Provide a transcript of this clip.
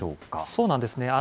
そうなんですね。